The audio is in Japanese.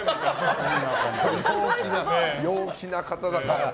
陽気な方だから。